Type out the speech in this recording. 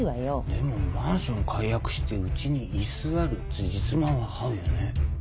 でもマンション解約してうちに居座るつじつまは合うよね。